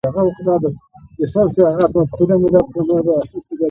بډایه هیوادونه د سوداګرۍ پالیسي د انحصار لپاره عملي کوي.